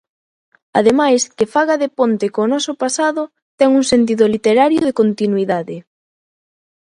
Ademais, que faga de ponte co noso pasado, ten un sentido literario de continuidade.